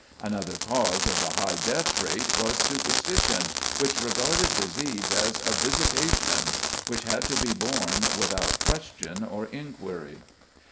Another cause of the high death rate was superstition, which regarded disease as a "visitation" which had to be borne without question or inquiry.